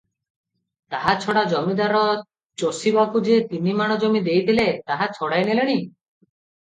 ତାହା ଛଡ଼ା ଜମିଦାର ଚଷିବାକୁ ଯେ ତିନିମାଣ ଜମି ଦେଇଥିଲେ, ତାହା ଛଡ଼ାଇ ନେଲେଣି ।